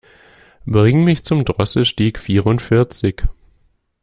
Bring mich zum Drosselstieg vierundvierzig.